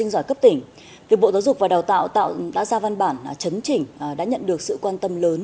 đào tạo tạo đã ra văn bản chấn chỉnh đã nhận được sự quan tâm lớn